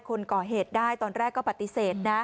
คนก่อเหตุได้ตอนแรกก็ปฏิเสธนะ